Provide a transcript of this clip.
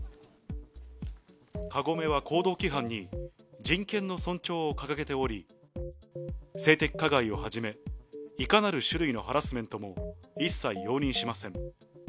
カゴメは行動規範に人権の尊重を掲げており、性的加害をはじめ、いかなる種類のハラスメントも一切容認しません。